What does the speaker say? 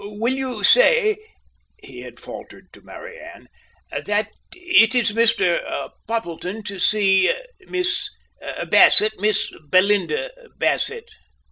"Will you say," he had faltered to Mary Anne, "that it is Mr. Poppleton, to see Miss Bassett Miss Belinda Bassett?"